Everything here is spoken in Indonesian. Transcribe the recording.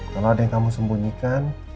kalau ada yang kamu sembunyikan